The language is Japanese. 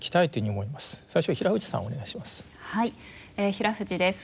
平藤です。